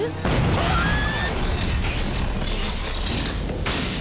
うわあっ！